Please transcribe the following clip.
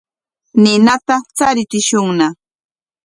Ninata charichishunña.